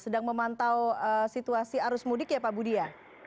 sedang memantau situasi arus mudik ya pak budi ya